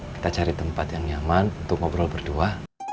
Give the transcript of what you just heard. kita cari tempat yang nyaman untuk ngobrol berdua